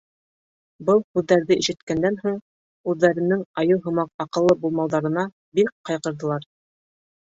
Был һүҙҙәрҙе ишеткәндән һуң, үҙҙәренең айыу һымаҡ аҡыллы булмауҙарына бик ҡайғырҙылар.